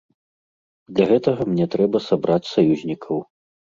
Для гэтага мне трэба сабраць саюзнікаў.